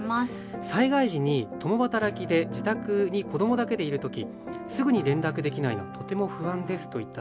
「災害時に共働きで自宅に子どもだけでいる時すぐに連絡できないのがとても不安です」と頂きました。